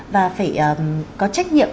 và phải có trách nhiệm